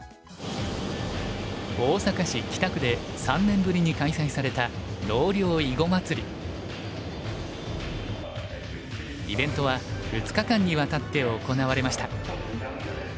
大阪市北区で３年ぶりに開催されたイベントは２日間にわたって行われました。